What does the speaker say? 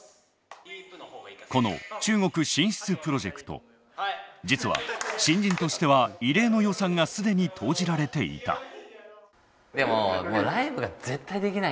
この中国進出プロジェクト実は新人としては異例の予算が既に投じられていた。